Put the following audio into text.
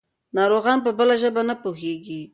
ناروغان په بله ژبه نه پوهېږي.